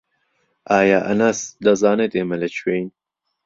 ئایا ئەنەس دەزانێت ئێمە لەکوێین؟